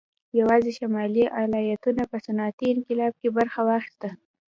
یوازې شمالي ایالتونو په صنعتي انقلاب کې برخه واخیسته